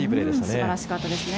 素晴らしかったですね。